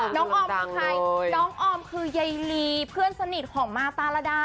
น้องออมคือใครน้องออมคือใยลีเพื่อนสนิทของมาตาระดา